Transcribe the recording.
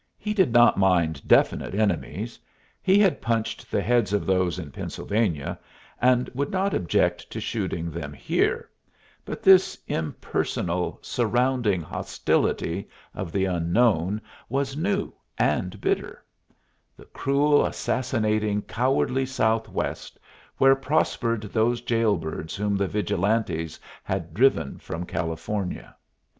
He did not mind definite enemies. He had punched the heads of those in Pennsylvania, and would not object to shooting them here; but this impersonal, surrounding hostility of the unknown was new and bitter: the cruel, assassinating, cowardly Southwest, where prospered those jail birds whom the vigilantes had driven from California.